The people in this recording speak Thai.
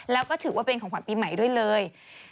แล้วก็ถือว่าเป็นของขวัญปีใหม่ด้วยเลย